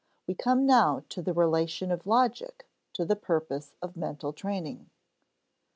We come now to the relation of logic to the purpose of mental training.